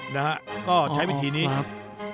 นะฮะก็ใช้วิธีนี้ครับ